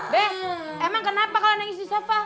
beh emang kenapa kalau nangis di sofa